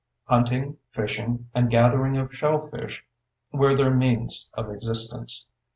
Hunting, fishing, and gathering of shellfish were their means of existence.